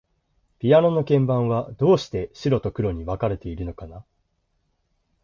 ピアノの鍵盤は、どうして白と黒に分かれているのかな。